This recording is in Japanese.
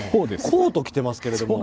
コート着ていますけども。